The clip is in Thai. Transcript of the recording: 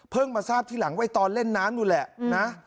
มาทราบทีหลังไว้ตอนเล่นน้ำอยู่แหละนะ